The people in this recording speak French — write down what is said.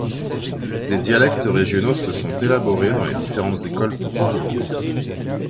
Des dialectes régionaux se sont élaborés dans les différentes écoles pour sourds.